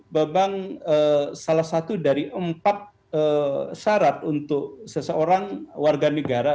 memang salah satu dari empat syarat untuk seseorang warga negara